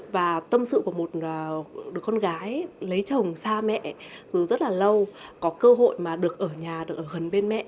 và tâm sự của một con gái lấy chồng xa mẹ từ rất là lâu có cơ hội mà được ở nhà được ở gần bên mẹ